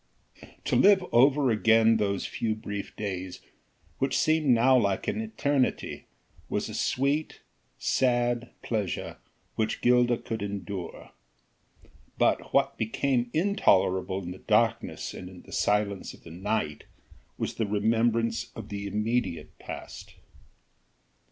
To live over again those few brief days which seemed now like an eternity was a sweet, sad pleasure which Gilda could endure, but what became intolerable in the darkness and in the silence of the night was the remembrance of the immediate past.